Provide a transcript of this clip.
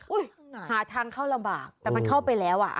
หาทางเข้าลำบากแต่มันเข้าไปแล้วอ่ะ